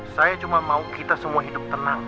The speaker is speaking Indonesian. saya cuma mau kita semua hidup tenang